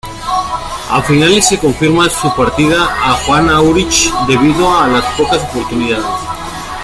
A finales se confirma su partida al Juan Aurich debido a las pocas oportunidades.